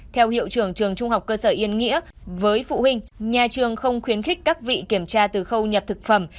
theo hiệu trưởng trường trung học cơ sở yên nghĩa với phụ huynh nhà trường không khuyến khích các vị kiểm tra từ khâu nhập thực phẩm